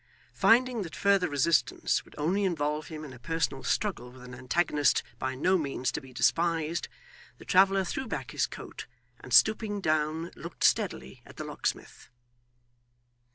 Finding that further resistance would only involve him in a personal struggle with an antagonist by no means to be despised, the traveller threw back his coat, and stooping down looked steadily at the locksmith.